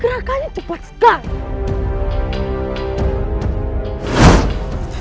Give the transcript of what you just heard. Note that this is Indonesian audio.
gerakannya cepat sekali